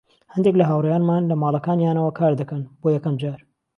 هەندێک لە هاوڕێیانمان لە ماڵەکانیانەوە کاردەکەن، بۆ یەکەم جار.